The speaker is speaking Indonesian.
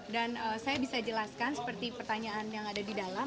dan saya bisa jelaskan seperti pertanyaan yang ada di dalam